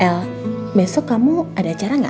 el besok kamu ada acara gak